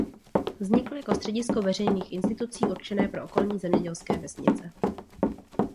Vznikl jako středisko veřejných institucí určené pro okolní zemědělské vesnice.